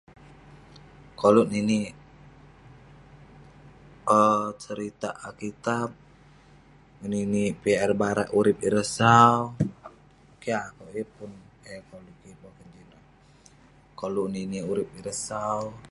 Koluk ninek seritak alkitab ngeninek ireh barak urip ireh sau keh akuek yeng pun yah boken, koluk ngeninek urip ireh sau